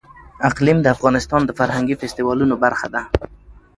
اقلیم د افغانستان د فرهنګي فستیوالونو برخه ده.